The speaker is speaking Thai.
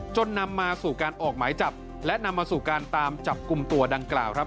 นำมาสู่การออกหมายจับและนำมาสู่การตามจับกลุ่มตัวดังกล่าวครับ